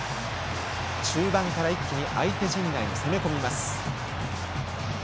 中盤から一気に相手陣内に攻め込みます。